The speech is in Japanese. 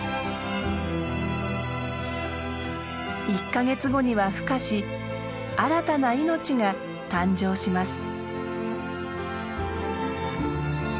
１か月後にはふ化し新たな命が誕生します。